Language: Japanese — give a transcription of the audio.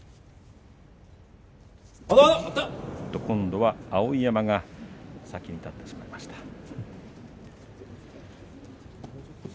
今度は碧山が先に立ってしまいました。